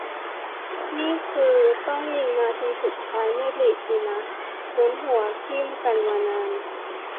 นี่คือ ต้องยิงนาทีสุดท้ายในลีกสินะ ลุ้นหัวทิ่มกันมานาน